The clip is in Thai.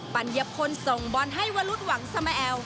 ปัญญพลส่งบอลให้วรุษหวังสมแอล